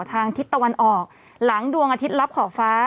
ทางทิศตะวันออกหลังดวงอาทิตย์ลับขอบฟ้า